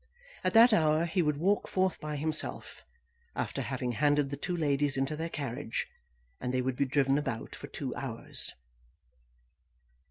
At that hour he would walk forth by himself, after having handed the two ladies into their carriage, and they would be driven about for two hours.